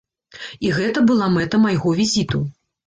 І гэта была мэта майго візіту.